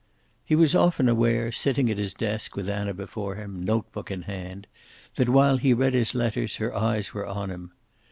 He was often aware, sitting at his desk, with Anna before him, notebook in hand, that while he read his letters her eyes were on him.